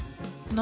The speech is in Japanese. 何？